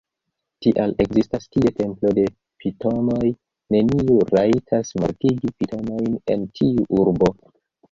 Tial ekzistas tie templo de pitonoj; neniu rajtas mortigi pitonojn en tiu urbo.